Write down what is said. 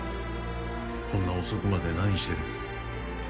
こんな遅くまで何してる？